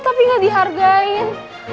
tapi gak dihargain